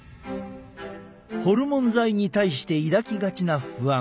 ホルモン剤に対して抱きがちな不安。